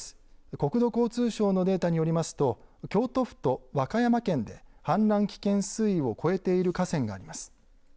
国土交通省のデータによりますと京都府と和歌山県で氾濫危険水位を超えている河川があります。